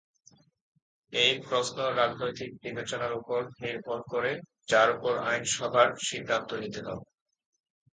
এ প্রশ্ন রাজনৈতিক বিবেচনার ওপর নির্ভর করে, যার ওপর আইনসভার সিদ্ধান্ত নিতে হয়।